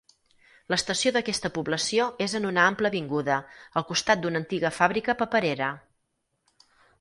L'estació d'aquesta població és en una ampla avinguda, al costat d'una antiga fàbrica paperera.